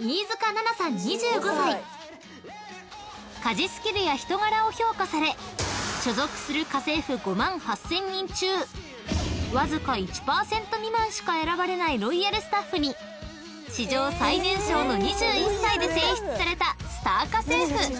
［家事スキルや人柄を評価され所属する家政婦５万８，０００人中わずか１％未満しか選ばれないロイヤルスタッフに史上最年少の２１歳で選出されたスター家政婦！］